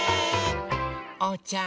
おうちゃん。